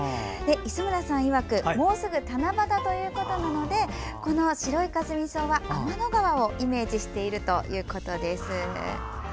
磯村さんいわくもうすぐ七夕ということなので白いカスミソウは天の川をイメージしているということです。